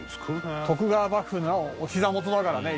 徳川幕府のお膝元だからね。